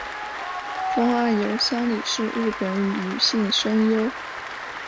峰岸由香里是日本女性声优。